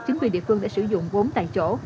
chính quyền địa phương đã sử dụng vốn tại chỗ